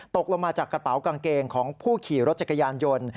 ตกลงมาจากกระเป๋ากางเกงของผู้ขี่รถจักรยานยนต์